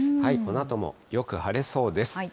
このあともよく晴れそうです。